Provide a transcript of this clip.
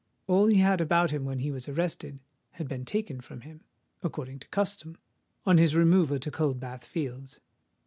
All he had about him when he was arrested, had been taken from him, according to custom, on his removal to Coldbath Fields.